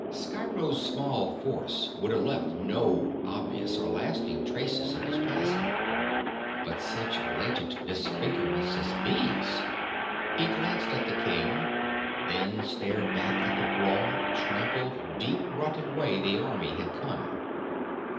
Sciro's small force would have left no obvious or lasting traces of its passing; but such blatant disfigurements as these.... He glanced at the king, then stared back at the broad, trampled, deep rutted way the army had come.